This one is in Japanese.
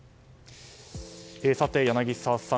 さて、柳澤さん。